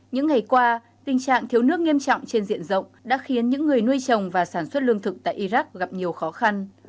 những ngày qua tình trạng thiếu nước nghiêm trọng trên diện rộng đã khiến những người nuôi trồng và sản xuất lương thực tại iraq gặp nhiều khó khăn